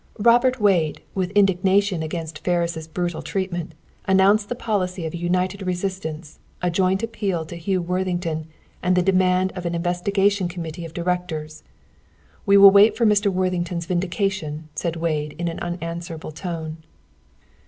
Robert Wade, with indignation against Ferris' brutal treatment, announced the policy of a united resistance, a joint appeal to Hugh Worthington, and the demand of an Investigation Committee of Directors. "We will wait for Mr. Worthington's vindication," said Wade, in an unanswerable tone.